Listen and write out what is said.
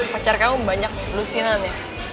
pacar kamu banyak lusinan ya